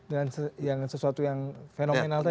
dan sesuatu yang fenomenal tadi